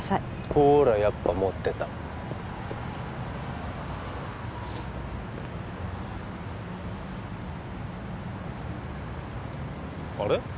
ほーらやっぱ持ってたあれ？